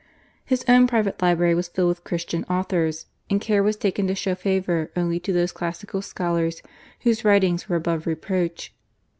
His own private library was filled with Christian authors, and care was taken to show favour only to those classical scholars whose writings were above reproach.